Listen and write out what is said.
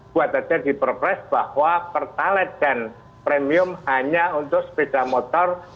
buat saja diperpres bahwa pertalite dan premium hanya untuk sepeda motor